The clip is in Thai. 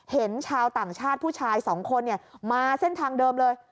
เห็นชาวต่างชาติผู้ชายสองคนมาเส้นทางเดิมเลย